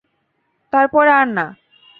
তারপরে আর না।